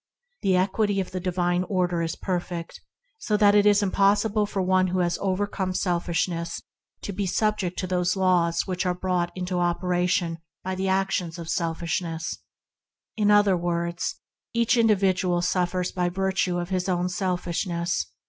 The equity of the Divine Order is perfect and cannot be subverted, so that it is im possible for one who has overcome selfish ness to be subject to the laws that are brought into operation by the action of selfishness: in other words, each indi vidual suffers by virtue of his own selfishness.